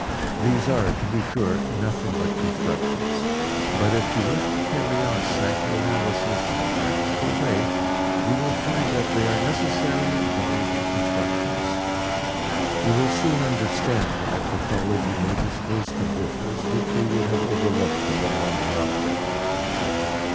These are, to be sure, nothing but constructions, but if you wish to carry on psychoanalysis in a practical way you will find that they are necessary and valuable constructions. You will soon understand why pathology may disclose conditions which we would have overlooked in the normal object.